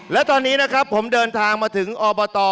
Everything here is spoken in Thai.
และตอนนี้นะครับผมเดินทางมาถึงอบต